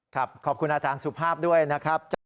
ขอบคุณอาจารย์สุภาพด้วยนะครับ